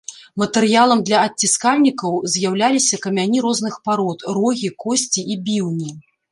Матэрыялам для адціскальнікаў з'яўляліся камяні розных парод, рогі, косці і біўні.